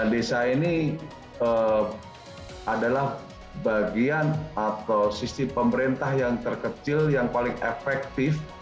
desa ini adalah bagian atau sistem pemerintah yang terkecil yang paling efektif